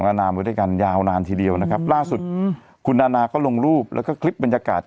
นานามไว้ด้วยกันยาวนานทีเดียวนะครับล่าสุดคุณนานาก็ลงรูปแล้วก็คลิปบรรยากาศ